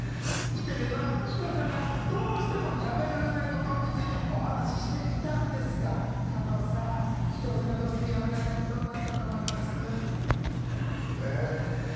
インタビューでは伊藤さんがどうしてもやめられないことについてお話していたんですが加藤さん、伊藤さんがどうしてもやめられないこと、何だと思います？え？